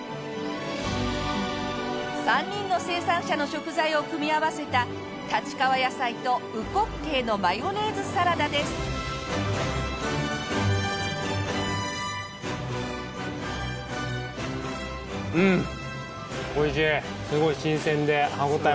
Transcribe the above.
３人の生産者の食材を組み合わせたうん！